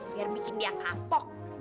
biar bikin dia kapok